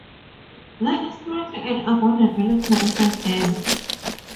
There is currently an abandoned military site there.